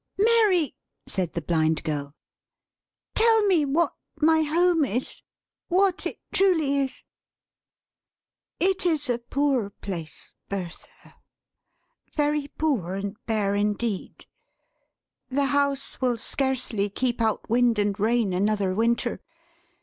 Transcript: "Mary," said the Blind Girl, "tell me what my Home is. What it truly is." "It is a poor place, Bertha; very poor and bare indeed. The house will scarcely keep out wind and rain another winter.